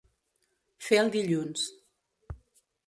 Fer el dilluns.